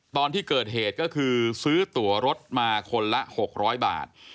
ตอนที่เกิดเหตุก็คือซื้อตัวรถมาคนละ๖๐๐บาท